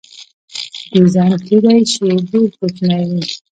ډیزاین کیدای شي ډیر کوچنی وي.